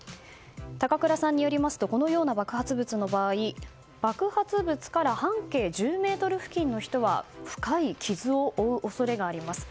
高倉さんによりますとこのような爆発物の場合爆発物から半径１０ｍ付近の人は深い傷を負う恐れがあります。